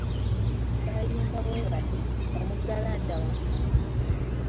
Bayimba bwe bati, omugalanda waffe.